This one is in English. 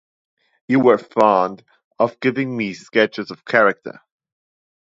You were fond of giving me sketches of character.